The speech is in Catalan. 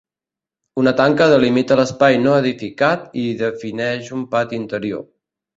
Una tanca delimita l'espai no edificat i hi defineix un pati interior.